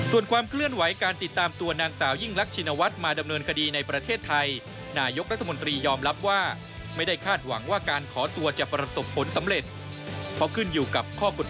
ส่วนความเคลื่อนไหวการติดตามตัวนางสาวยิ่งรักชินวัตร